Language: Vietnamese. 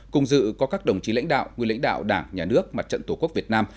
cùng dự có các đồng chí lãnh đạo nguyên lãnh đạo đảng nhà nước mặt trận tổ quốc việt nam